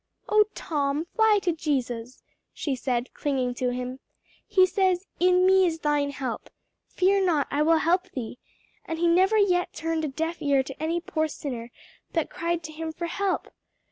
"O, Tom, fly to Jesus!" she said, clinging to him. "He says, 'In me is thine help.' 'Fear not; I will help thee,' and he never yet turned a deaf ear to any poor sinner that cried to him for help.